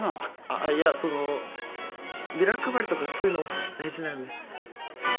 あいやそのビラ配りとかそういうのも大事なんで。